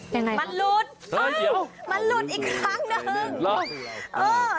ยังไงครับมันหลุดอ้าวมันหลุดอีกครั้งหนึ่งอ้าว